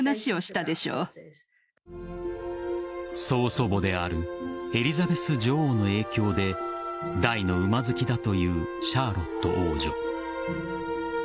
曾祖母であるエリザベス女王の影響で大の馬好きだというシャーロット王女。